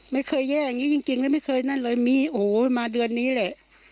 ไม่เคยแย่อย่างนี้จริงเลยไม่เคยนั่นเลยมีโอ้โหมาเดือนนี้แหละ